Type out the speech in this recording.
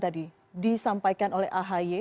tadi disampaikan oleh ahi